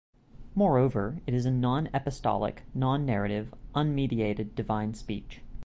Moreover, it is a non-epistolic, non-narrative unmediated divine speech.